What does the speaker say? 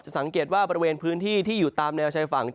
สังเกตว่าบริเวณพื้นที่ที่อยู่ตามแนวชายฝั่ง